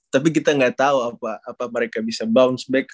tapi kita gak tau apa mereka bisa bounce back